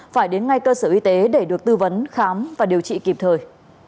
phải đến ngay cơ sở y tế để được tư vấn khám và điều trị kịp thời